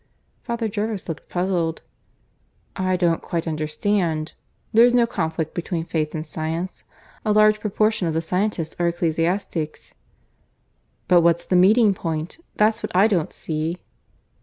Father Jervis looked puzzled. "I don't quite understand. There's no conflict between Faith and Science. A large proportion of the scientists are ecclesiastics." "But what's the meeting point? That's what I don't see."